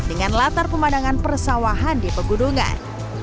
dengan latar pemandangan persawahan di pegunungan